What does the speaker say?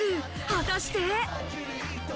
果たして。